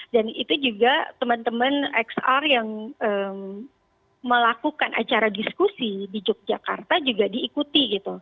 dan itu juga teman teman xr yang melakukan acara diskusi di yogyakarta juga diikuti